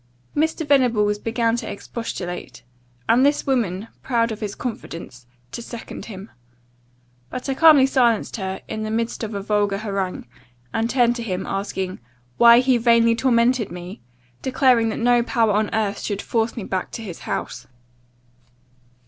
"Mr. Venables began to expostulate; and this woman, proud of his confidence, to second him. But I calmly silenced her, in the midst of a vulgar harangue, and turning to him, asked, 'Why he vainly tormented me? declaring that no power on earth should force me back to his house.